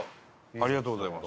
ありがとうございます。